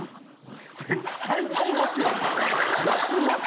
絶対ちゃいますよね。